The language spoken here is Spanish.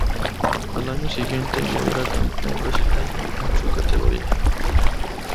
Al año siguiente, ya era campeón brasileño en su categoría.